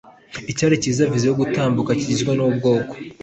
Icyiciro cya viza yo gutambuka kigizwe n ubwoko